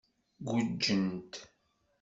Guǧǧent.